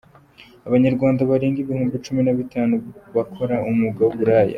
Abanyarwanda barenga ibihumbi cumi nabitanu bakora umwuga w’uburaya